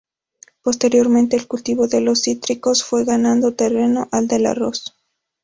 Posteriormente el cultivo de los cítricos fue ganando terreno al del arroz.